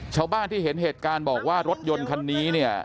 ชาวบ้านที่เห็นเหตุการณ์บอกว่ารถยนต์คันนี้เนี่ย